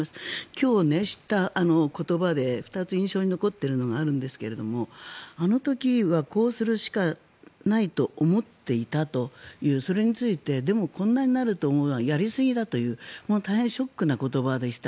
今日知った言葉で２つ印象に残っていることがあるんですがあの時はこうするしかないと思っていたというそれについてでもこんなになるとは思わなかった、やりすぎだと大変ショックな言葉でした。